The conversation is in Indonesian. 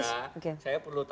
sebelum itu ya